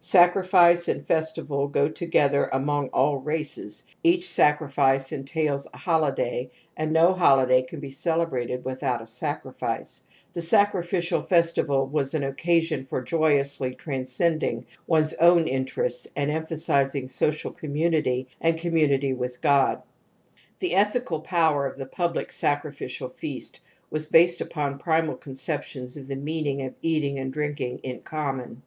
Sacrifice and festival go together among all races ; each sacrifice entails a holiday and no holiday can be celebrated without a sacrifice, Jhe sacrific iaQ * iestival was an occasion for joyously transcenH ( o ing one's owii interests and emphasizing social] commimity and community with "^' TKe eEhicar^ower of the ^^^^ sacrificial feast was based upon primal conceptions of the meaning of eating and drinking in common.